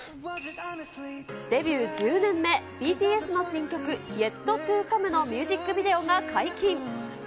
ＢＴＳデビュー１０年目、ＢＴＳの新曲、イェット・トゥ・カムのミュージックビデオが解禁。